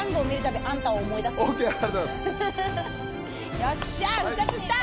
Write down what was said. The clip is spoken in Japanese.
よっしゃ、復活した。